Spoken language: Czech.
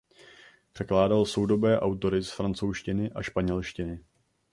Překládal soudobé autory z francouzštiny a španělštiny.